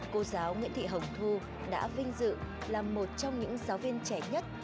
cô giáo nguyễn thị hồng thu đã vinh dự là một trong những giáo viên trẻ nhất